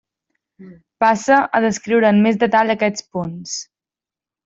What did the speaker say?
Passe a descriure en més detall aquests punts.